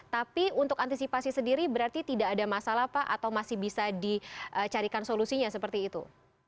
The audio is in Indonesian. tapi untuk antisipasi sendiri berarti tidak ada masalah pak atau masih bisa dicarikan solusinya seperti itu